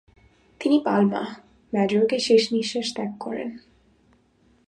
তিনি পালমা, ম্যাজোর্কায় শেষনিঃশ্বাস ত্যাগ করেন।